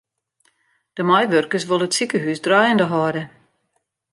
De meiwurkers wolle it sikehús draaiende hâlde.